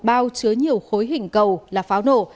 bao chứa nhiều khối hình cầu là pháo nổ